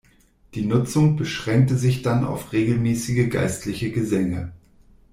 Die Nutzung beschränkte sich dann auf regelmäßige geistliche Gesänge.